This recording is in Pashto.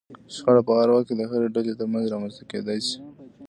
شخړه په هر وخت کې د هرې ډلې ترمنځ رامنځته کېدای شي.